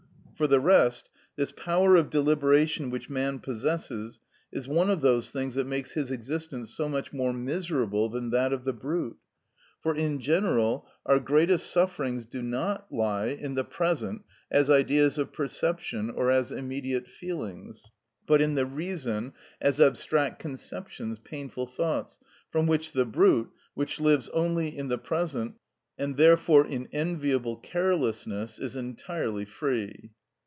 For the rest, this power of deliberation which man possesses is one of those things that makes his existence so much more miserable than that of the brute. For in general our greatest sufferings do not lie in the present as ideas of perception or as immediate feelings; but in the reason, as abstract conceptions, painful thoughts, from which the brute, which lives only in the present, and therefore in enviable carelessness, is entirely free.